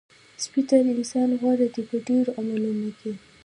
سپی تر انسان غوره دی په ډېرو عملونو کې.